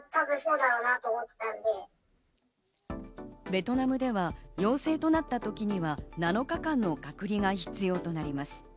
ベトナムでは陽性となった時には７日間の隔離が必要となります。